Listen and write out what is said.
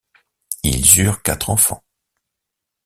Ils eurent quatre enfants.